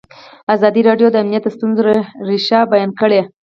ازادي راډیو د امنیت د ستونزو رېښه بیان کړې.